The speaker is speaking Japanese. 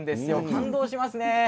感動しますね。